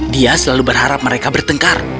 dia selalu berharap mereka bertengkar